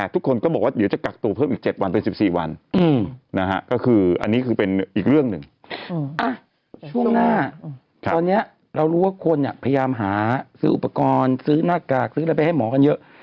ซื้ออุปกรณ์ซื้อหน้ากากซื้ออะไรไปแล้วให้หมอกันเยอะ